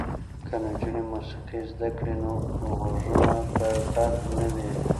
که نجونې موسیقي زده کړي نو غږونه به بد نه وي.